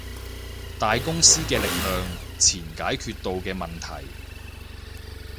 大公司嘅力量，錢解決到嘅問題